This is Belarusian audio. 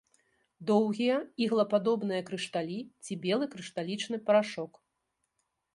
Доўгія іглападобныя крышталі ці белы крышталічны парашок.